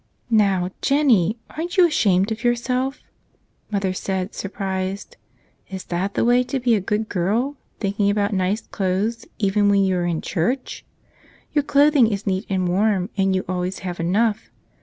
"Now, Jennie, aren't you ashamed of yourself?" mother said, surprised. "Is that the way to be a good girl, thinking about nice clothes even when you are in church? Your clothing is neat and warm, and you always have enough.